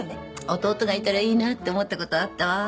弟がいたらいいなって思ったことあったわ。